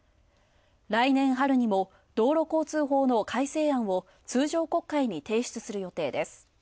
来年春にも道路交通法の改正案を通常国会に提出する予定です。